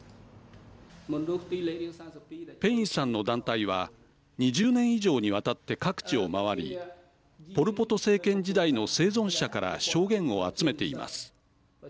ペインさんの団体は２０年以上にわたって各地を回りポル・ポト政権時代の生存者から証言を集めています。